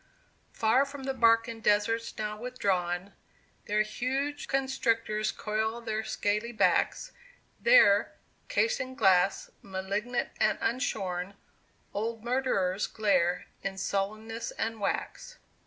Far from the Barcan deserts now withdrawn, There huge constrictors coil their scaly backs; There, cased in glass, malignant and unshorn, Old murderers glare in sullenness and wax.